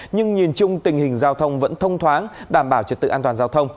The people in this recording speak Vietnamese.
nhưng nhìn chung tình hình giao thông vẫn thông thoáng đảm bảo trật tự an toàn giao thông